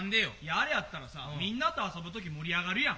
あれあったらさみんなと遊ぶ時盛り上がるやん。